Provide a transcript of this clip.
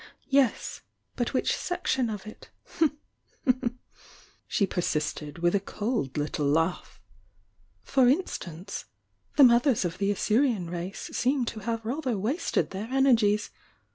. "Yes, but which section of it?" she persisted, with a cold little laugh. "For instance,— the mothers of the Assyrian race seem to have rather wasted their energies!